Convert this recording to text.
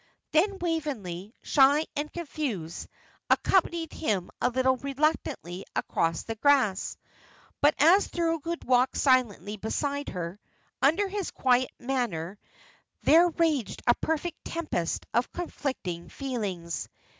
Then Waveney, shy and confused, accompanied him a little reluctantly across the grass. But as Thorold walked silently beside her, under his quiet manner there raged a perfect tempest of conflicting feelings.